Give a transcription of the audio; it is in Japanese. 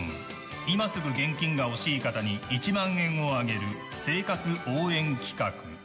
今すぐ現金が欲しい方に１万円をあげる生活応援企画。